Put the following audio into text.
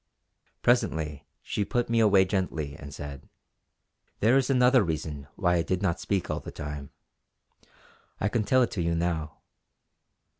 Presently she put me away gently and said: "There was another reason why I did not speak all that time. I can tell it to you now."